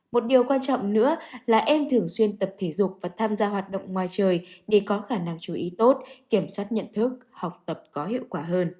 một điều quan trọng nữa là em thường xuyên tập thể dục và tham gia hoạt động ngoài trời để có khả năng chú ý tốt kiểm soát nhận thức học tập có hiệu quả hơn